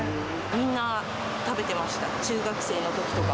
みんな食べてました、中学生のときとか。